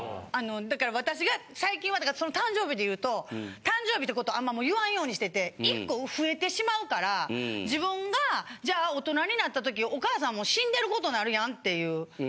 だから私が最近は誕生日で言うと誕生日ってことあんま言わんようにしてて１個増えてしまうから自分がじゃあ大人になった時お母さんもう死んでることなるやんっていう。